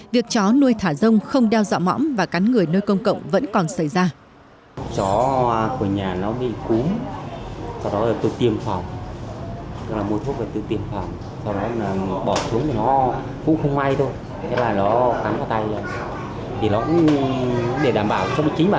việc chó nuôi thả rông không đeo dọa mõm và cắn người nơi công cộng vẫn còn xảy ra